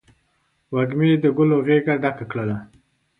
وږمې د ګلو غیږه ډکه کړله